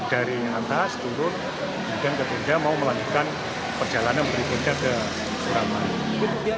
dari atas turun ke tenda mau melanjutkan perjalanan berikutnya ke kurang lain